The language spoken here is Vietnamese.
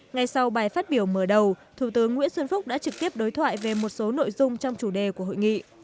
ngay sau bài phát biểu mở đầu thủ tướng nguyễn xuân phúc đã trực tiếp đối thoại về một số nội dung trong chủ đề của hội nghị